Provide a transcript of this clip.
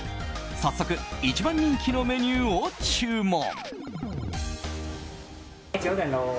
早速一番人気のメニューを注文。